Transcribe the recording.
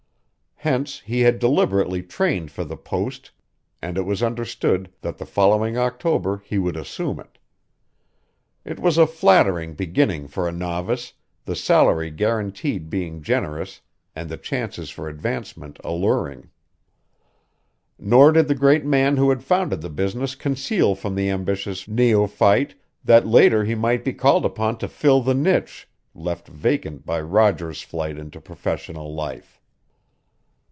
Hence he had deliberately trained for the post and it was understood that the following October he would assume it. It was a flattering beginning for a novice, the salary guaranteed being generous and the chances for advancement alluring. Nor did the great man who had founded the business conceal from the ambitious neophyte that later he might be called upon to fill the niche left vacant by Roger's flight into professional life.